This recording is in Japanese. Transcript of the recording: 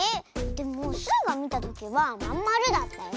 でもスイがみたときはまんまるだったよ。